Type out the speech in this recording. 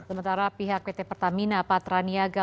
sementara pihak pt pertamina patra niaga